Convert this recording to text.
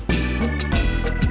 terima kasih bang